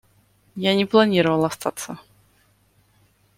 Я не планировал остаться.